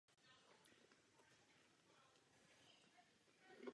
Okresní ředitelství byla zrušena a začleněna do krajských ředitelství.